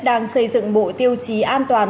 đang xây dựng bộ tiêu chí an toàn